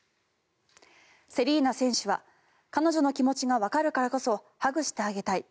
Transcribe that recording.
セリーナ選手は彼女の気持ちわかるからこそハグしてあげたい